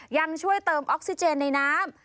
ยังช่วยเติมออกซิเจนในน้ำ